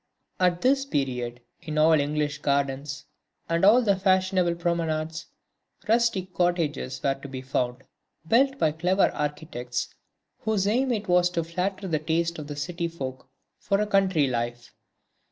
At this period, in all the English gardens and all the fashionable promenades, rustic cottages were to be found, built by clever architects, whose aim it was to flatter the taste of the city folk for a country life.